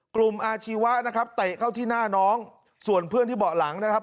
อาชีวะนะครับเตะเข้าที่หน้าน้องส่วนเพื่อนที่เบาะหลังนะครับ